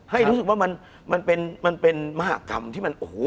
ให้รู้สึกว่ามันเป็นมหากรรมที่มันโอ้โห